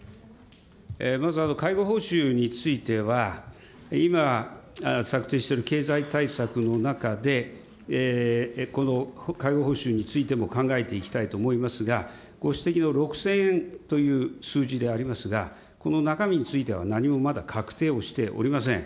まず介護報酬については、今、策定している経済対策の中で、この介護報酬についても考えていきたいと思いますが、ご指摘の６０００円という数字でありますが、この中身については何もまだ確定しておりません。